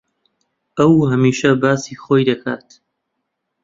ئەو ھەمیشە باسی خۆی دەکات.